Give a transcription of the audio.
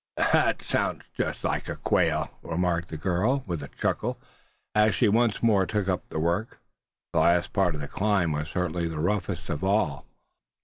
"Thet sounds jest like a Quail," remarked the girl, with a chuckle, as she once more took up the work. The last part of the climb was certainly the roughest of all.